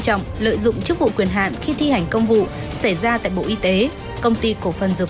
trọng lợi dụng chức vụ quyền hạn khi thi hành công vụ xảy ra tại bộ y tế công ty cổ phần dược